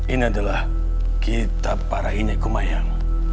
ini adalah kitab para inekumayang